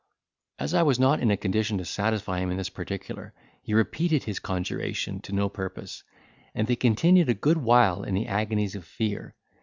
As I was not in a condition to satisfy him in this particular, he repeated his conjuration to no purpose, and they continued a good while in the agonies of fear.